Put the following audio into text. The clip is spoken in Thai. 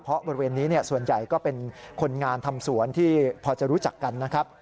เพราะบริเวณนี้ส่วนใหญ่ก็เป็นคนงานทำสวนที่พอจะรู้จักกันนะครับ